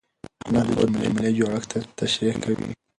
نحوه د جملې جوړښت تشریح کوي.